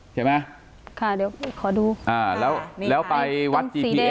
ใช่ไหมค่ะเดี๋ยวขอดูแล้วไปวัด๔๖